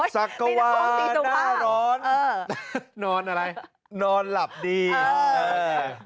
สักกวาหน้าร้อนนอนอะไรนอนหลับดีเออ